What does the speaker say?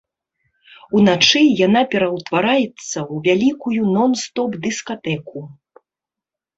Уначы яна пераўтвараецца ў вялікую нон-стоп дыскатэку!